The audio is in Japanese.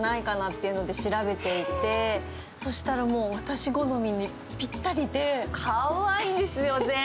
そしたら、もう私好みにピッタリでかわいいんですよ、もう。